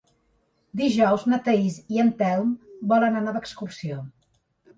Dijous na Thaís i en Telm volen anar d'excursió.